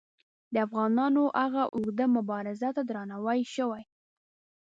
د افغانانو هغو اوږدو مبارزو ته درناوی شوی.